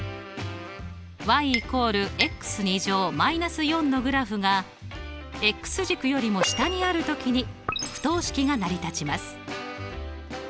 ＝−４のグラフが軸よりも下にあるときに不等式が成り立ちます。